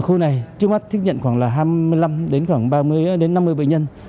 khu này trước mắt thích nhận khoảng là hai mươi năm đến năm mươi bệnh nhân